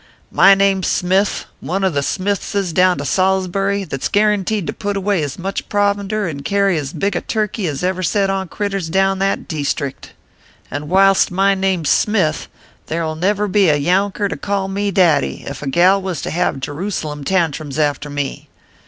" My name s Smith one of the Smithses down to Salsbury, that s guaranteed to put away as much provender and carry as big a turkey as ever set on critters down in that dees trie t. And whilst my name s Smith, there ll never be a younker to call me daddy, ef a gal was to have Jerusalem tantrums after me.